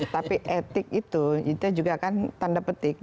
tapi etik itu juga kan tanda petik